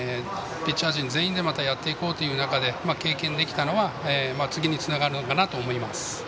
次の試合、ピッチャー陣全員でやっていこうという中で経験できたのは次につながるのかなと思います。